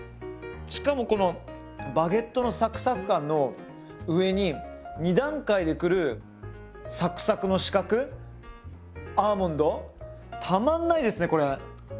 しかもこのバゲットのサクサク感の上に２段階で来るサクサクの刺客アーモンドたまんないですねこれ。